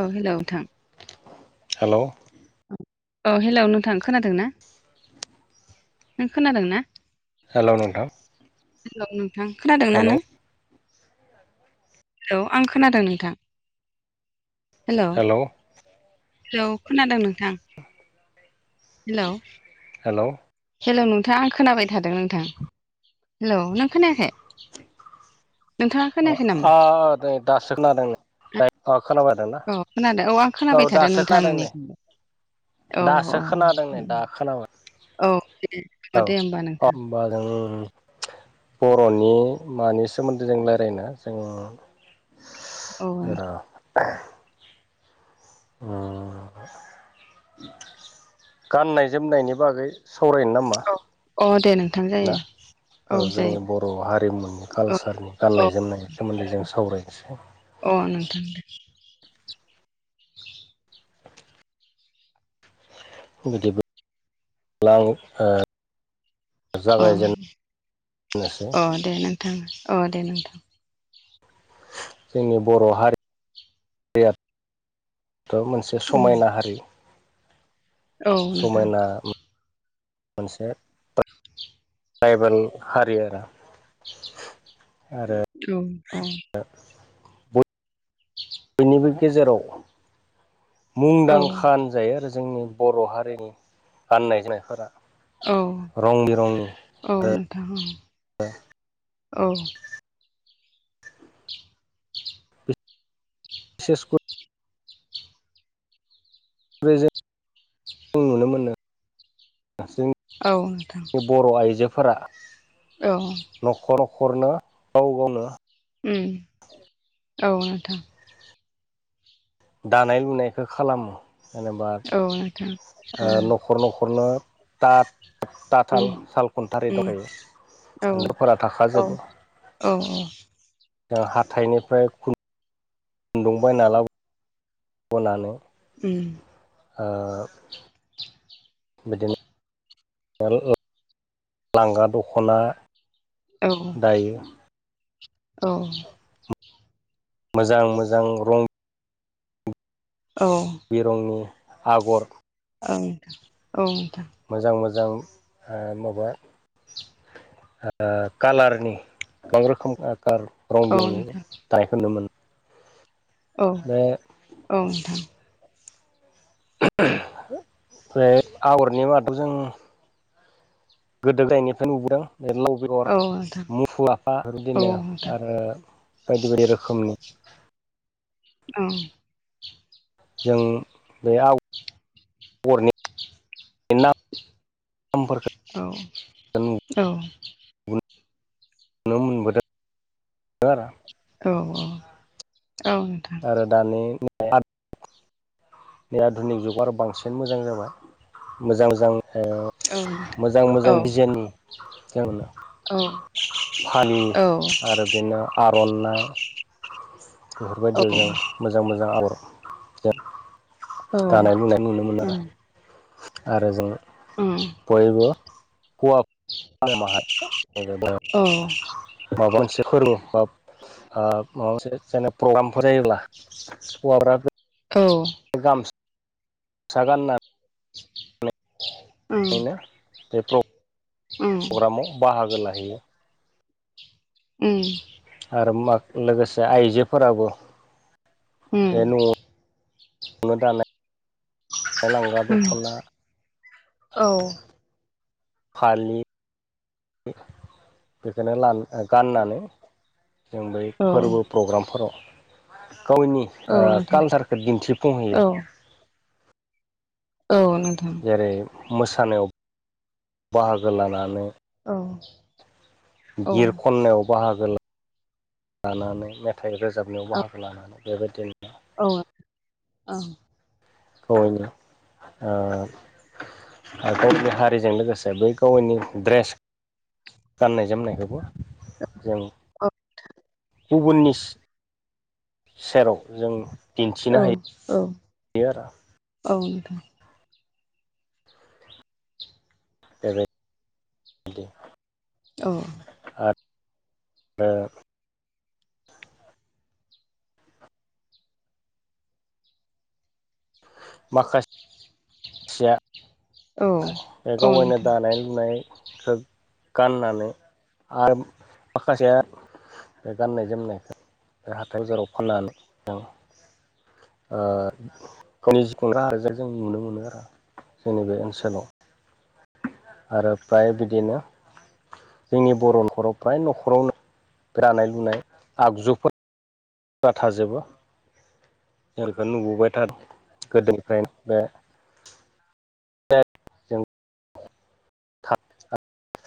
औ हेलौ नोंथां। हेलौ। अ हेलौ नोंथां खोनादों ना नों खोनादों ना? हेलौ नोंथां। हेलौ नोंथां खोनादों ना हेलौ नों? औ आं खोनादों नोंथां। हेलौ हेलौ खोनादों नोंथां हेलौ हेलौ हेलौ नोंथां आं खोनाबाय थादों नोंथां। हेलौ नों खोनायाखै नोंथाङा खोनायाखै नामा? औ नै दासो खोनादों दे अ खोनाबाय थादों ना औ खोनादों आं औ खोनाबाय थादों दासो नोंथां खोनादों नै। नोंनिखौबो औ दासो खोनादों नै दा खोनाबाय औ दे औ दे होमबा नोंथां अम बादों बर'नि मानि सोमोन्दै जों रायलायनो जों औ ओ [unintelligible] उम गाननाय जोमनायनि बागै। सावरायनो नामा? औ अ दे नोंथां ना जायो। औ जोंङो बर' हारिमुनि कालसारनि औ गाननाय जोमनायनि सोमोन्दै जों सावरायनोसै। अ नोंथां फुबिदिब लाव ओ। अ जागाय जेननोसै। दोङो औ दे नोंथां। जोंनि बर' हारियाथ' मोनसे उम समायना हारि। औ नोंथां। समायना मोनसे ट्राइबेल हारि आरो। आरो। [inaudible] अ। ओ बिनिबो गेजेराव औ मुंदांखान। जायो आरो जोंनि बर' हारिनि गाननाय जोमनायफोरा। औ रं बिरंनि औ नोंथां औ औ सेसकुद। जों नुनो मोनो जों। औ नोंथां बर' आइजोफोरा। औ। न'खर न'खरनो गाव गावनो। उम औ नोंथां। दानाय लुनायखो खालामो जेनेबा औ नोंथां ओ औ न'ख खर न'खरनो ता ताथाल उम साल खुन्था ओरै उम दंखायो। औ [inaudible] फोरा औ थाखाजोबो औ जों हाथायनिफ्राय खुन खुदुं बायना लाबो। बनानै। उम। ओ। बिदिनो। ओ लांगा दख'ना। औ दायो औ मोजां मोजां रं औ। बिरंनि आगर ओं औ। मोजां मोजां ओ माबा ओ कालारनि गोबां रोखोम ओ रं बिंरंनि दानायखौ नुनो मोनो। औ बे औ नोंथां। ओमफ्राय आगरनि मादाव जों गोदो गायनिफ्रायनो नुबोदों। बे लाव बेगर मुफुर आफा बिदिनो आरो बायदि बायदि रोखोमनि। औ। जों बे आव आगरनि नामफोरखौ औ औ। नुनो मोनबोदों। दो आरो। औ औ औ नोंथां। आरो दानि मु बेै आधुनिक जुग आरो बांसिन मोजां जाबाय मोजां मोजां ओ मोजां मोजां दिजाइननि जों फालि आरो बिदिनो आर'नाइ बेफोरबायदियाव जों मोजां मोजां आर दानाय लुनाय नुनो मोनो आरो जों बयबो [unintelligible] [unintelligible] माबा मोनसे फोरबो बा ओ माबा मोनसे जेने प्रग्रामफोर जायोब्ला [unintelligible] औ। गामस सा गानना उम नैनो बे प्र उम प्रग्रामाव बाहागो लाहैयो। ओम। आरो मा लोगोसे आइजोफोराबो उम बे न'आवनो दानाय लांगा उम दख'ना औ। फालि बेखौनो गाननानै जों बै औ फोरबो प्रग्रामफोराव गावनि ओ नोंथां कालसारखौ औ दिन्थिफुंहोयो। औ नोंथां। जेरै मोसानायाव बाहागो लानानै औ। औ गिर खन्नायाव बाहागो लानानै मेथाइ रोजाबनायाव बाहागो लानानै बेबायदिनो औ औ। औ ओ आरो गावनि हारिजों लोगोसे बै गावनि ड्रेस गाननाय जोमनायखौबो जों गुबुननिस सेराव जों दिन्थिनो औ औ हायो आरो औ नोंथां। बे [unintelligible] अ [unintelligible] माखास [unintelligible] बे गाव औ गावनो नोंथां दानाय लुनाय गाननानै आरो माखासेया बे गाननाय जोमनायखो बे [unintelligible] फाननानै [unintelligible] ओ [unintelligible] नुनो मोनो आरो जोंनि बे ओनसोलाव आरो फ्राय बिदिनो जोंनि बर' न'खराव फ्राय न'खरावनो फ्रानाय लुनाय आगजुफोर थाजोबो। जों बेखो नुबोबाय थादों गोदोनिफ्रायनो बे जों थाब-थाब